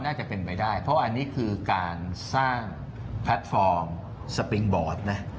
น่าจะเป็นไปได้เพราะอันนี้คือการสร้างแพลตฟอร์มสปิงบอร์ดนะ